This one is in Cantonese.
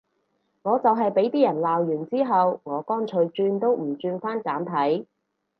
我就係畀啲人鬧完之後，我乾脆轉都唔轉返簡體